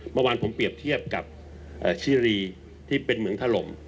เมื่อวานผมเปรียบเทียบกับชิรีที่เป็นเหมืองถล่ม